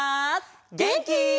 げんき？